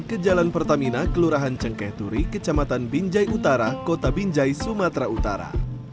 ke jalan pertamina kelurahan cengkeh turi kecamatan binjai utara kota binjai sumatera utara